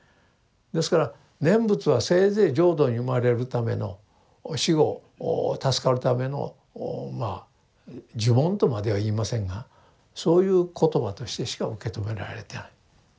ですから念仏はせいぜい浄土に生まれるための死後助かるためのまあ呪文とまでは言いませんがそういう言葉としてしか受け止められてない。